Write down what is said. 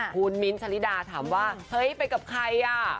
คุณมิ้นท์ชะลิดาถามว่าเฮ้ยไปกับใครอ่ะ